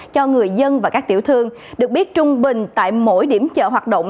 cho người dân và các tiểu thương được biết trung bình tại mỗi điểm chợ hoạt động